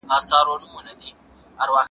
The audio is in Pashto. کله چې بدن ګرم شي، خوله یې وځي.